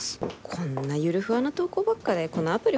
こんなゆるふわな投稿ばっかでこのアプリ